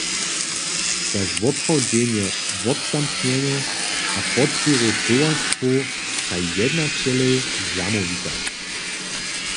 Za zwoprawdźenje wobzamknjenjow a podpěru towarstwow staj jednaćelej zamołwitaj.